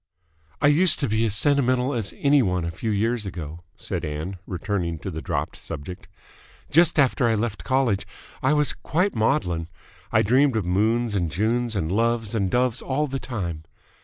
"I used to be as sentimental as any one a few years ago," said Ann, returning to the dropped subject. "Just after I left college, I was quite maudlin. I dreamed of moons and Junes and loves and doves all the time.